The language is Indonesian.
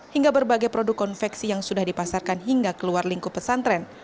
hingga berbagai produk konveksi yang sudah dipasarkan hingga keluar lingkup pesantren